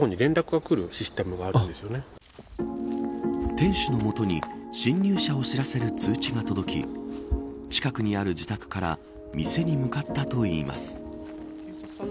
店主のもとに侵入者を知らせる通知が届き近くにある自宅から店に向かったといいます。